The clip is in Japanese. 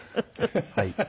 はい。